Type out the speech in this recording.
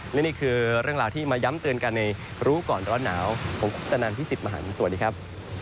และนี่คือเรื่องราวที่มาย้ำเตือนกันในรู้ก่อนร้อนหนาวผมคุปตนันพี่สิทธิ์มหันฯสวัสดีครับ